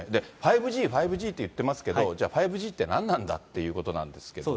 ５Ｇ、５Ｇって言ってますけど、じゃあ、５Ｇって何なんだということなんですけれども。